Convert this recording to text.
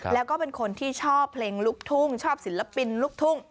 แล้วก็เป็นคนที่ชอบเพลงลุกทุ่งชอบศิลปินลูกทุ่ง